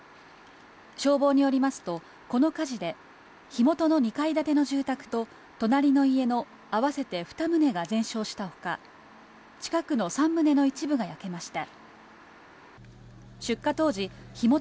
消防によりますと、この火事で火元の２階建ての住宅と隣の家のあわせて２棟が全焼したほか、近くの３棟の一部が焼けました。